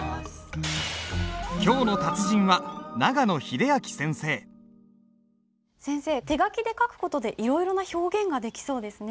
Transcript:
今日の達人は先生手書きで書く事でいろいろな表現ができそうですね。